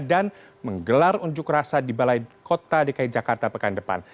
dan menggelar unjuk rasa di balai kota dki jakarta pekan depan